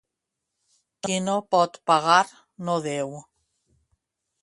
Qui no pot pagar, no deu.